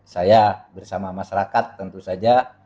saya bersama masyarakat tentu saja